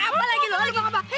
kamu harus pulang kamu harus pulang